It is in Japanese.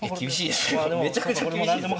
めちゃくちゃ厳しいですよ。